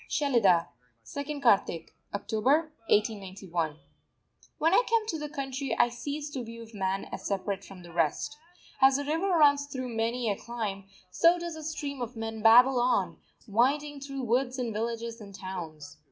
SHELIDAH, 2_nd Kartik_ (October) 1891. When I come to the country I cease to view man as separate from the rest. As the river runs through many a clime, so does the stream of men babble on, winding through woods and villages and towns.